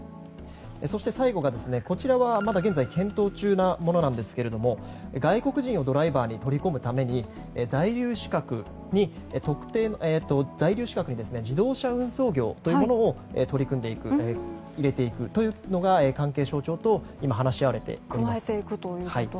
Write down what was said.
そして最後が、こちらはまだ現在検討中のものですが外国人をドライバーに取り込むために在留資格に自動車運送業というものを入れていくというのが関係省庁と今、話し合われています。